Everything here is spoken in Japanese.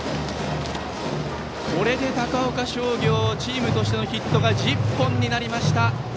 これで高岡商業はチームとしてのヒットが１０本になりました。